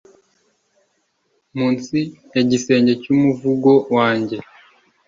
Munsi ya gisenge cyumuvugo wanjye